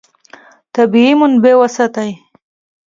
طبیعي منابع وساتئ.